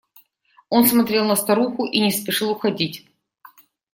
Он смотрел на старуху и не спешил уходить.